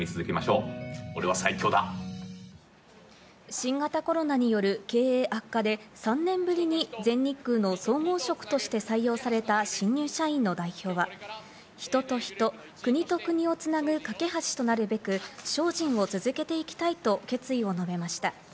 新型コロナによる経営悪化で３年ぶりに全日空の総合職として採用された新入社員の代表は、人と人、国と国をつなぐかけ橋となるべく精進を続けていきたいと決意を述べました。